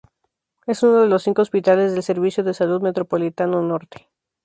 Es uno de los cinco hospitales del Servicio de Salud Metropolitano Norte.